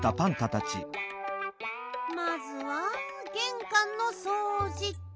まずはげんかんのそうじっと。